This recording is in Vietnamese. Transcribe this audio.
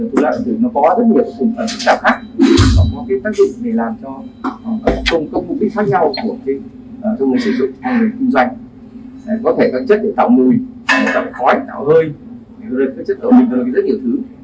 thứ hai là trong thuốc lá điện tử có rất nhiều phần phức tạp khác có tác dụng để làm cho công cụ khác nhau của người sử dụng và người kinh doanh có thể có chất để tạo mùi tạo khói tạo hơi có chất tổn thương rất nhiều thứ